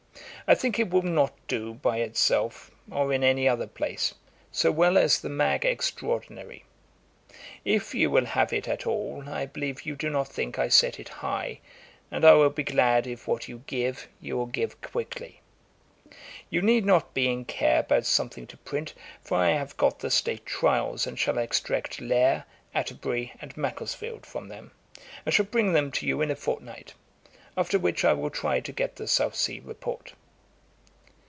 I think it will not do by itself, or in any other place, so well as the Mag. Extraordinary. If you will have it at all, I believe you do not think I set it high, and I will be glad if what you give, you will give quickly. [Page 157: Ad Lauram pariluram Epigramma. Ætat 33.] 'You need not be in care about something to print, for I have got the State Trials, and shall extract Layer, Atterbury, and Macclesfield from them, and shall bring them to you in a fortnight; after which I will try to get the South Sea Report.'